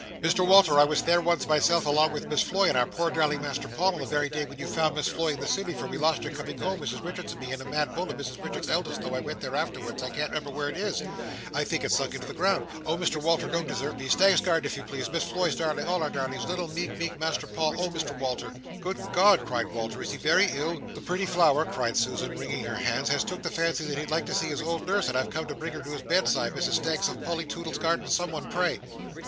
"Mr Walter, I was there once myself, along with Miss Floy and our poor darling Master Paul, on the very day when you found Miss Floy in the City, for we lost her coming home, Mrs Richards and me, and a mad bull, and Mrs Richards's eldest, and though I went there afterwards, I can't remember where it is, I think it's sunk into the ground. Oh, Mr Walter, don't desert me, Staggs's Gardens, if you please! Miss Floy's darling—all our darlings—little, meek, meek Master Paul! Oh Mr Walter!" "Good God!" cried Walter. "Is he very ill?" "The pretty flower!" cried Susan, wringing her hands, "has took the fancy that he'd like to see his old nurse, and I've come to bring her to his bedside, Mrs Staggs, of Polly Toodle's Gardens, someone pray!"